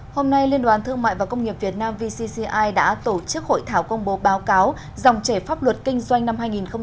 hôm nay liên đoàn thương mại và công nghiệp việt nam vcci đã tổ chức hội thảo công bố báo cáo dòng trẻ pháp luật kinh doanh năm hai nghìn một mươi chín